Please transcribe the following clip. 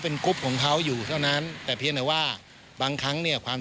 เป็นกรุ๊ปของเขาอยู่เท่านั้นแต่เพียงแต่ว่าบางครั้งเนี่ยความ